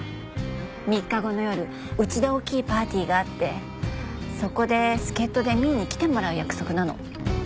３日後の夜うちで大きいパーティーがあってそこで助っ人で美依に来てもらう約束なの。